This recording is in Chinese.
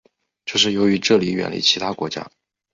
这是由于这里远离其他国家。